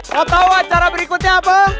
gak tau acara berikutnya apa